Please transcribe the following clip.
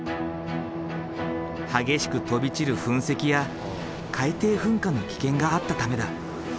激しく飛び散る噴石や海底噴火の危険があったためだ。